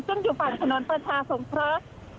ซึ่งอยู่ฝั่งถนนประชาสงเคราะห์